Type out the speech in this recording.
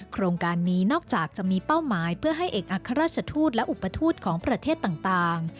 โครงการนี้นอกจากจะมีเป้าหมายเพื่อให้เอกอัครราชทูตและอุปทูตของประเทศต่าง